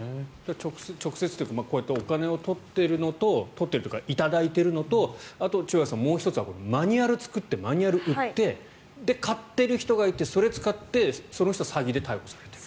直接というかこうやってお金を取っているのと取っているというか頂いているのとあと、チワワさんマニュアルを作ってマニュアルを売って買っている人がいてそれを使ってその人が詐欺で逮捕されている。